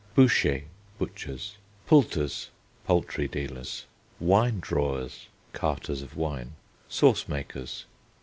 Bouchers (butchers). Pulters (poultry dealers). Wine drawers (carters of wine). Sauce makers.